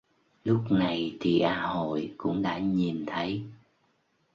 Lúc này thì A Hội cũng đã nhìn thấy